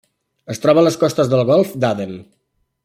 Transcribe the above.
Es troba a les costes del Golf d'Aden.